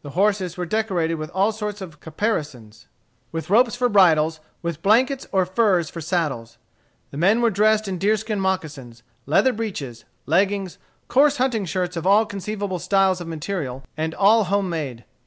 The horses were decorated with all sorts of caparisons, with ropes for bridles, with blankets or furs for saddles. The men were dressed in deerskin moccasins, leather breeches, leggins, coarse hunting shirts of all conceivable styles of material, and all homemade.